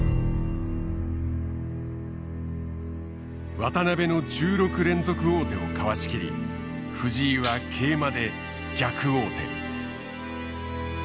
渡辺の１６連続王手をかわしきり藤井は桂馬で逆王手。